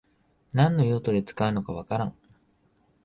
何の用途で使うのかわからん